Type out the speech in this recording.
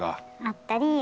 あったり。